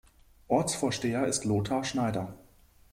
Ortsvorsteher ist Lothar Schneider.